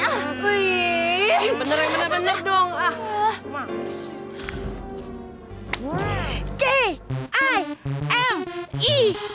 apaan sih ini